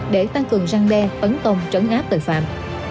để tăng cường răng đe tấn công trấn áp tội phạm